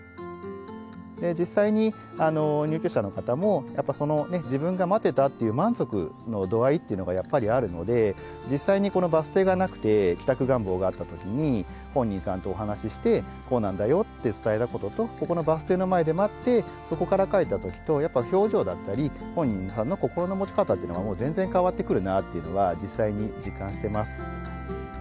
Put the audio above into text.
実際に入居者の方も自分が待ってたっていう満足の度合いっていうのがやっぱりあるので実際にこのバス停がなくて帰宅願望があった時に本人さんとお話ししてこうなんだよって伝えたこととここのバス停の前で待ってそこから帰った時とやっぱ表情だったり本人さんの心の持ち方っていうのがもう全然変わってくるなっていうのは実際に実感してます。